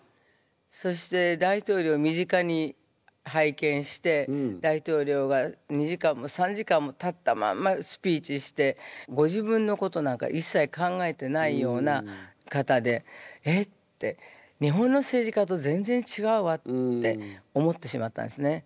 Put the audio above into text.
そして大統領を身近に拝見して大統領が２時間も３時間も立ったまんまスピーチしてご自分のことなんかいっさい考えてないような方で「えっ？」て。って思ってしまったんですね。